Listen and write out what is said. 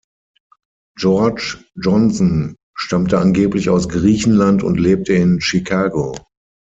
George Johnson stammte angeblich aus Griechenland und lebte in Chicago.